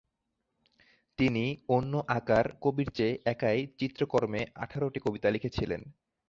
তিনি অন্য আঁকার কবির চেয়ে একাই চিত্রকর্মে আঠারোটি কবিতা লিখেছিলেন।